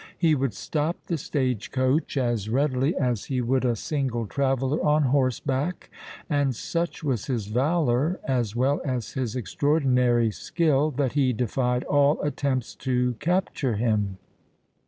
He would stop the stage coach as readily as he would a single traveller on horseback; and such was his valour as well as his extraordinary skill, that he defied all attempts to capture him."